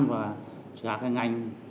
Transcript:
và các ngành